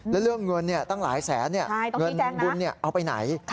แล้วเรื่องเงินตั้งหลายแสนเงินบุญเอาไปไหน